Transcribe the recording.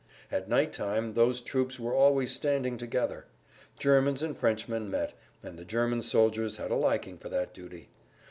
At night time those troops were always standing together. Germans and Frenchmen met, and the German soldiers had a liking for that duty.